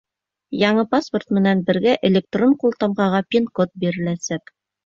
Яңы паспорт менән бергә электрон ҡултамғаға пин-код биреләсәк.